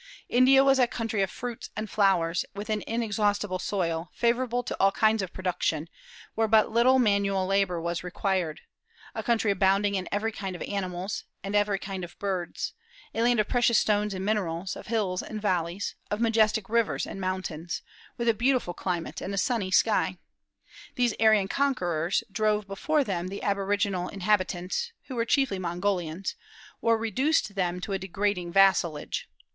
India was a country of fruits and flowers, with an inexhaustible soil, favorable to all kinds of production, where but little manual labor was required, a country abounding in every kind of animals, and every kind of birds; a land of precious stones and minerals, of hills and valleys, of majestic rivers and mountains, with a beautiful climate and a sunny sky. These Aryan conquerors drove before them the aboriginal inhabitants, who were chiefly Mongolians, or reduced them to a degrading vassalage.